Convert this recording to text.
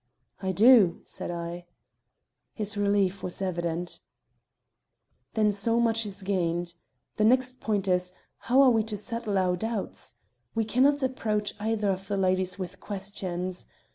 "I do," said I. His relief was evident. "Then so much is gained. The next point is, how are we to settle our doubts? We can not approach either of these ladies with questions.